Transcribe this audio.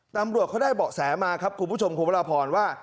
ตำรวจเขาได้เบาะแสมาครับคุณผู้ชมคุณพระราพรว่า